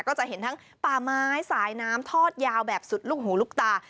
ก็จะเห็นทั้งป่าไม้สายน้ำทอดยาวแบบสุดลูกหูลูกตา